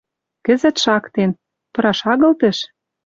Кӹзӹт шактен. Пыраш, агыл тӹш?